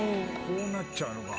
こうなっちゃうのか。